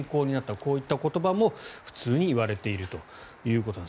こういった言葉も普通に言われているということなんです。